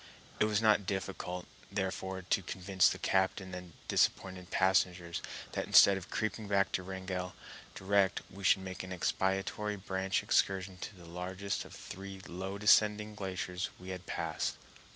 It was not found difficult, therefore, to convince the captain and disappointed passengers that instead of creeping back to Wrangell direct we should make an expiatory branch excursion to the largest of the three low descending glaciers we had passed.